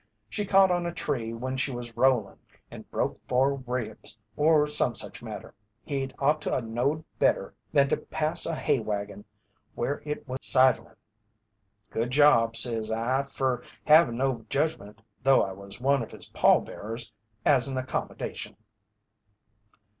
She caught on a tree when she was rollin' and broke four ribs, or some such matter. He'd ought to a knowed better than to pass a hay wagon where it was sidlin'. Good job, says I, fer havin' no judgment though I was one of his pall bearers, as an accommodation."